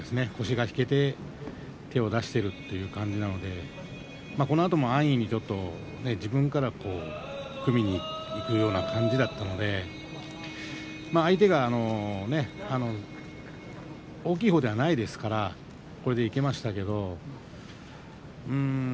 腰が引けて手を出しているという感じなのでこのあとも安易に自分から組みにいくような感じだったので相手がね大きいほうではないですからこれでいけましたけど。